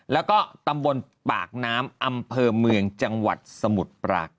แล้วก็ตำบลปากน้ำอำเภอเมืองจังหวัดสมุทรปราการ